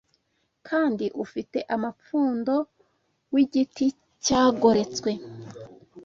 kandi ufite amapfundo w’igiti cyagoretswe